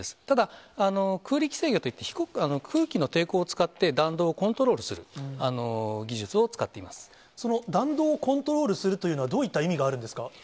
ただ、空力制御といって、空気の抵抗を使って、弾道をコントロールするその弾道をコントロールするというのは、どういった意味があるんですか？